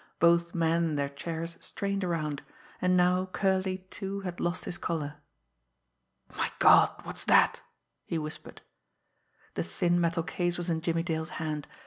Both men, in their chairs, strained around and now Curley, too, had lost his colour. "My God, what's that!" he whispered. The thin metal case was in Jimmie Dale's hand.